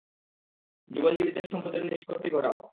জীবনজীবীদের সম্পদের নিষ্পত্তি ঘটাও।